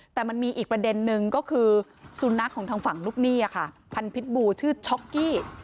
แต่มันมีอีกประเด็นนึงก็คือสุนัขของทางฝั่งลูกหนี้ค่ะพันพิษบูชื่อช็อกกี้